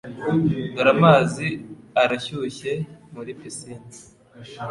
dore Amazi arashyushye muri pisine